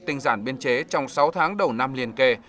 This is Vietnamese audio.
tinh giản biên chế trong sáu tháng đầu năm liên kề